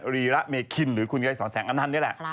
รีระเมคินหรือคุณไกรศรแสงอันนั้นนี่แหละ